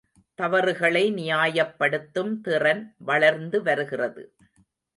தவறுகளை நியாயப்படுத்தும் திறன் வளர்ந்து வருகிறது.